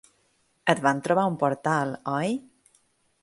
Et van trobar a un portal, oi?